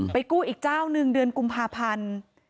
กู้อีกเจ้าหนึ่งเดือนกุมภาพันธ์